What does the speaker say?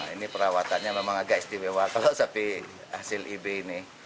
ini perawatannya memang agak istimewa kalau sapi hasil ib ini